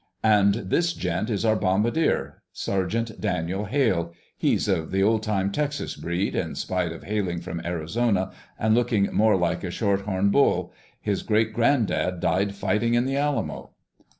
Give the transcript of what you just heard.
"... and this gent is our bombardier, Sergeant Daniel Hale. He's of the old time Texas breed, in spite of hailing from Arizona and looking more like a shorthorn bull. His great granddad died fighting in the Alamo."